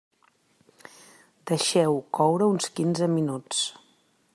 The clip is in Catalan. Deixeu-ho coure uns quinze minuts.